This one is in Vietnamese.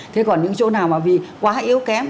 thế còn những chỗ nào mà vì quá yếu kém